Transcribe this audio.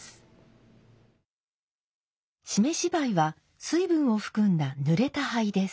湿し灰は水分を含んだぬれた灰です。